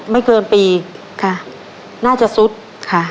ไม่เกินปีค่ะน่าจะซุดค่ะ